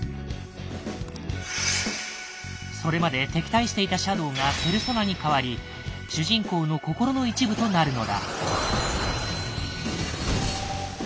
それまで敵対していたシャドウがペルソナに変わり主人公の心の一部となるのだ。